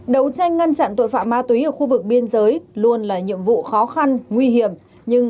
đấu tranh ngăn chặn tội phạm ma túy ở khu vực biên giới luôn là nhiệm vụ khó khăn nguy hiểm nhưng